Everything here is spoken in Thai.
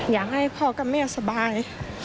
อยากให้พ่อกับแม่สบาย